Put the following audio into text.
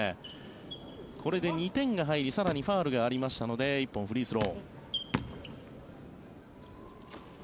これで２点が入り更にファウルがありましたので１本、フリースロー。